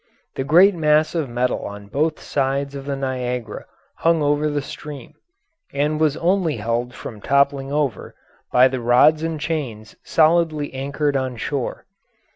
The great mass of metal on both sides of the Niagara hung over the stream, and was only held from toppling over by the rods and chains solidly anchored on shore.